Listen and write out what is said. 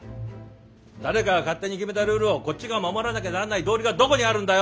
誰かが勝手に決めたルールをこっちが守らなきゃならない道理がどこにあるんだよ。